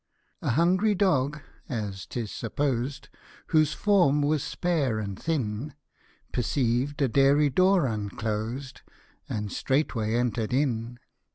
A HUNGRY dog, (as 'tis supposed,) Whose form was spare and thin, Perceived a dairy door unclosed, And straightway enter'd in.